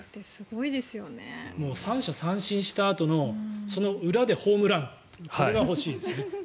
３者三振したあとのその裏でホームランこれが欲しいです。